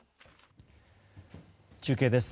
中継です。